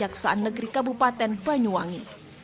pemerkosaan negeri kabupaten banyuwangi